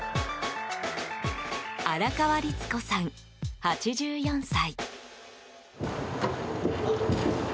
荒川利津子さん、８４歳。